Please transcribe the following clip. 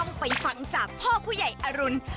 ไปฟังจากพ่อผู้ใหญ่อรุณ